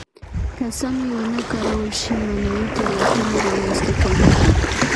که سمې ونه کارول شي معنوي تېروتنې را منځته کوي.